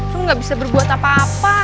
aku gak bisa berbuat apa apa